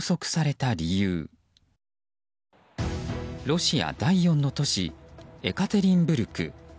ロシア第４の都市エカテリンブルク。